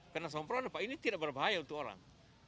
karena disemprot ini tidak berbahaya untuk orang